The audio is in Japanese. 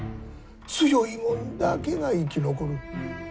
強いもんだけが生き残る。